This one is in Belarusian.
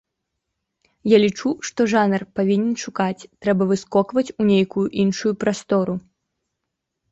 Я лічу, што жанр павінен шукаць, трэба выскокваць у нейкую іншую прастору.